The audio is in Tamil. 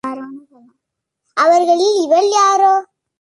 அவர்களில் இவள் யாரோ?